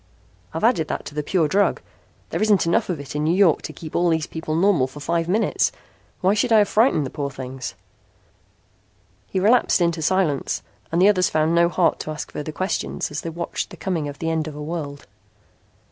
I've added that to the pure drug. There isn't enough of it in New York to keep all these people normal for five minutes. Why should I have frightened the poor things?" He relapsed into silence and the others found no heart to ask further questions as they watched the coming of the end of a world.